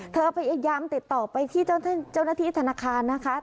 พยายามติดต่อไปที่เจ้าหน้าที่ธนาคารนะคะ